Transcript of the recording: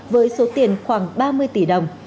với số tiền khoảng ba mươi tỷ đồng